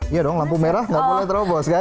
iya dong lampu merah nggak boleh terobos kan